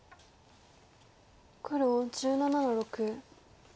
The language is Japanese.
黒１７の六。